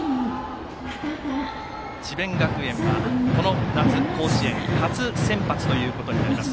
智弁学園はこの夏、甲子園初先発ということになります